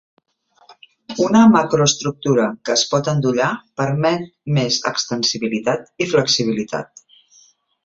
Una macroestructura que es pot endollar permet més extensibilitat i flexibilitat.